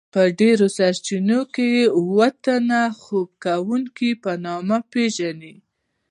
په ډیرو سرچینو کې اوه تنه خوب کوونکيو په نامه پیژني.